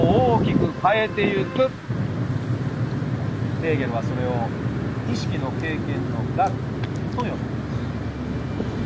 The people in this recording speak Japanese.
ヘーゲルはそれを「意識の経験の学」と呼んだのです。